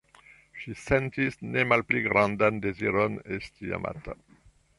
Ŝi sentis ne malpli grandan deziron esti amata.